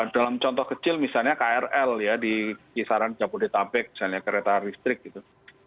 dalam contoh kecil misalnya krl ya di kisaran jabodetabek misalnya kereta listrik gitu